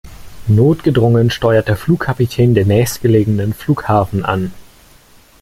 Notgedrungen steuert der Flugkapitän den nächstgelegenen Flughafen an.